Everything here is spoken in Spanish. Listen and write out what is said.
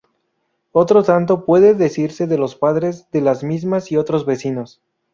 Otro tanto puede decirse de los padres de las mismas y otros vecinos.